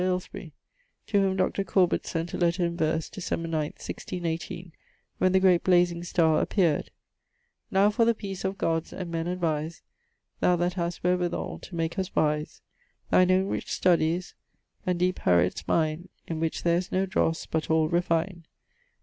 Ailesbury, to whom Dr. Corbet sent a letter in verse, Dec. 9, 1618, when the great blazing starre appeared, 'Now for the peace of God and men advise, (Thou that hast wherwithall to make us wise), Thine owne rich studies and deepe Harriot's mine, In which there is no drosse but all refine.'